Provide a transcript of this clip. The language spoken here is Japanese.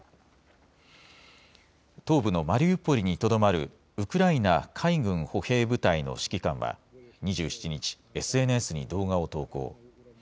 東部のマリウポリにとどまるウクライナ海軍歩兵部隊の指揮官は２７日、ＳＮＳに動画を投稿。